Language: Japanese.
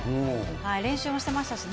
練習もしてましたしね。